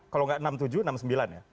kalau enggak enam tujuh enam sembilan